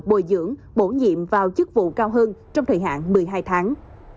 bồi dưỡng bổ nhiệm vào chức vụ cao hơn trong thời hạn một mươi hai tháng